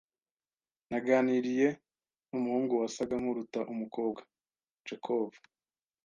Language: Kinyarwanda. Naganiriye numuhungu, wasaga nkuruta umukobwa. (jakov)